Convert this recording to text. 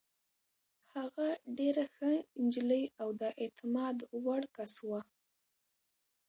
هغه ډېره ښه نجلۍ او د اعتماد وړ کس وه.